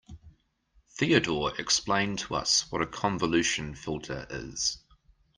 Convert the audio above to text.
Theodore explained to us what a convolution filter is.